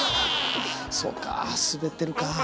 そうか滑ってるか。